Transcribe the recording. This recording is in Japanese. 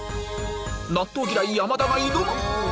納豆嫌い山田が挑む！